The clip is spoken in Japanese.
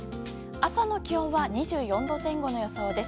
朝の気温は２４度前後の予想です。